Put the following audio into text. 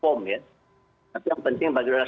form ya tapi yang penting bagi